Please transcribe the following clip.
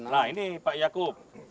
nah ini pak yaakub